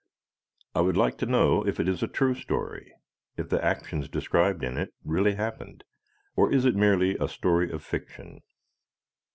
I would like to know if it is a true story, if the actions described in it really happened, or is it merely a story of fiction.